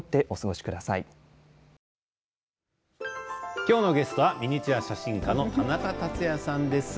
きょうのゲストはミニチュア写真家の田中達也さんです。